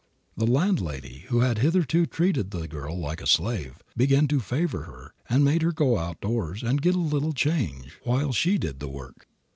The landlady, who had hitherto treated the girl like a slave, began to favor her and made her go outdoors and get a little change while she did the work.